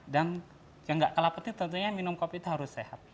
dan yang tidak kelapetnya tentunya minum kopi itu harus sehat